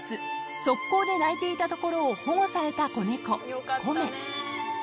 側溝で鳴いていたところを保護された子猫こめ］